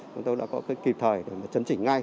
chúng tôi đã có kịp thời để mà chấn chỉnh ngay